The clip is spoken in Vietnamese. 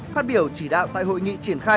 phát biểu chỉ đạo tại hội nghị triển khai